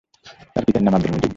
তার পিতার নাম আব্দুল মজিদ।